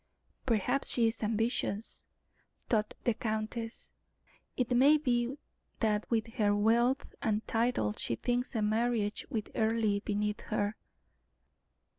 "Perhaps she is ambitious," thought the countess; "it may be that with her wealth and title she thinks a marriage with Earle beneath her."